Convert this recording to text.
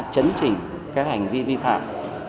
chấn chỉnh các hành vi vi phạm